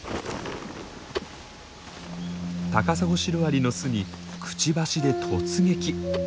タカサゴシロアリの巣にくちばしで突撃。